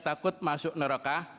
takut masuk neraka